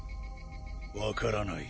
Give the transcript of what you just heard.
わからない。